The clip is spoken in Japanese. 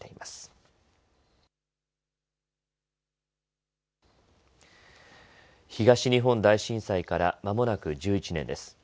東日本大震災からまもなく１１年です。